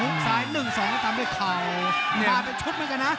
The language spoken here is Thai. หุ้มซ้ายหนึ่งสองแล้วตามไปเข่ามาเป็นชุดเหมือนกันนะ